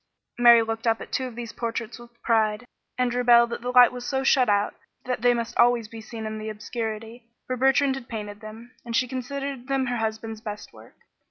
Mary looked up at two of these portraits with pride, and rebelled that the light was so shut out that they must always be seen in the obscurity, for Bertrand had painted them, and she considered them her husband's best work.